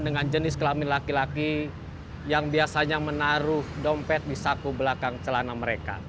dengan jenis kelamin laki laki yang biasanya menaruh dompet di saku belakang celana mereka